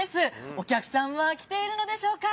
お客さんは来ているのでしょうか。